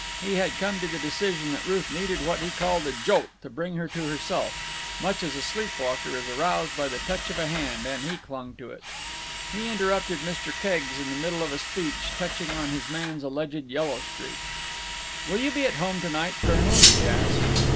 He had come to the decision that Ruth needed what he called a jolt to bring her to herself, much as a sleep walker is aroused by the touch of a hand, and he clung to it. He interrupted Mr. Keggs in the middle of a speech touching on his man's alleged yellow streak. "Will you be at home to night, colonel?" he asked.